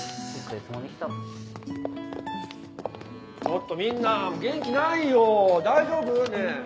ちょっとみんな元気ないよ大丈夫？ねぇ。